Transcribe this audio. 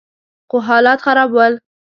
خو حالات خراب ول.